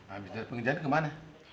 abis dari pengisian kemana